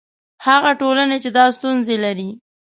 هغه ټولنې چې دا ستونزې لري.